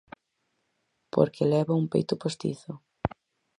Porque leva un peito postizo.